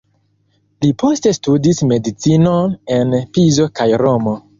Li poste studis medicinon en Pizo kaj Romo.